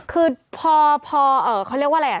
คือพอพอเขาเรียกว่าอะไร